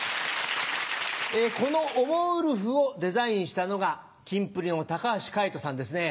この「おもウルフ」をデザインしたのがキンプリの橋海人さんですね。